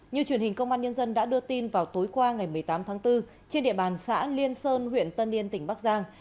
như truyền hình công an nhân dân đã đưa tin vào tối qua ngày một mươi tám tháng bốn trên địa bàn xã liên sơn huyện tân yên tỉnh bắc giang